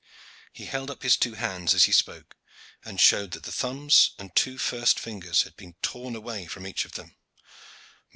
He held up his two hands as he spoke, and showed that the thumbs and two first fingers had been torn away from each of them.